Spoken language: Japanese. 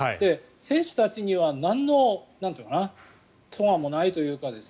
選手たちにはなんのとがもないというか